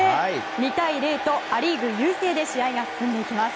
２対０とア・リーグ優勢で試合が進んでいきます。